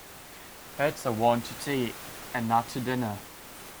Hats are worn to tea and not to dinner.